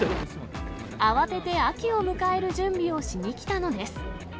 慌てて秋を迎える準備をしに来たのです。